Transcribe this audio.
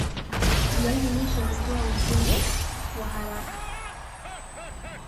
viazi lishe hutoa uzee waharaka